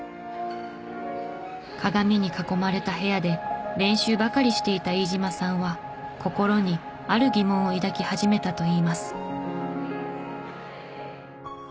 鏡に囲まれた部屋で練習ばかりしていた飯島さんは心にある疑問を抱き始めたといいます。